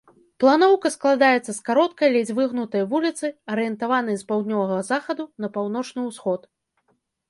Планоўка складаецца з кароткай, ледзь выгнутай вуліцы, арыентаванай з паўднёвага захаду на паўночны ўсход.